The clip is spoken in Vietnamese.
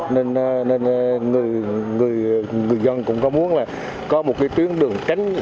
nên người dân cũng có muốn là có một cái tuyến đường tránh